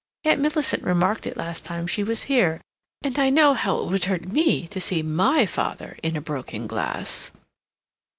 Aunt Millicent remarked it last time she was here, and I know how it would hurt me to see my father in a broken glass."